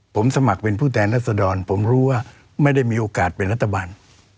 ผมสมัครเป็นผู้แทนรัศดรผมรู้ว่าไม่ได้มีโอกาสเป็นรัฐบาล